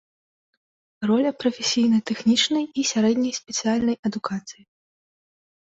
Роля прафесійна-тэхнічнай і сярэдняй спецыяльнай адукацыі.